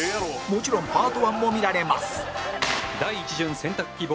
もちろんパート１も見られます